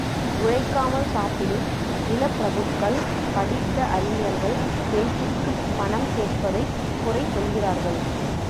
உழைக்காமல் சாப்பிடும் நிலப்பிரபுக்கள், படித்த அறிஞர்கள், பேச்சுக்குப் பணம் கேட்பதைக் குறை சொல்கிறார்கள்.